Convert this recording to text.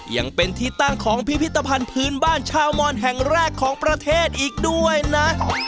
ยังเป็นที่ตั้งของพิพิธภัณฑ์พื้นบ้านชาวมอนแห่งแรกของประเทศอีกด้วยนะ